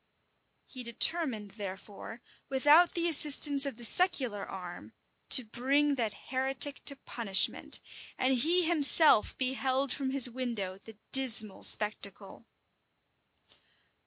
He determined, therefore, without the assistance of the secular arm, to bring that heretic to punishment; and he himself beheld from his window the dismal spectacle.